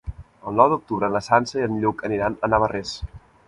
El nou d'octubre na Sança i en Lluc aniran a Navarrés.